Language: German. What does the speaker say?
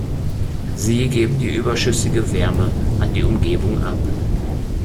Sie geben die überschüssige Wärme an die Umgebung ab.